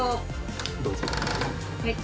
どうぞ。